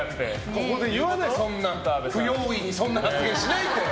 ここで言わない不用意にそんな発言しないって！